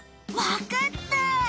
わかった！